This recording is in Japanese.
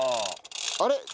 あれ？